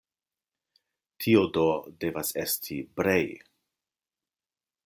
Tio do devas esti Brej.